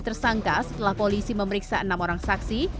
tersangka setelah polisi memeriksa enam orang saksi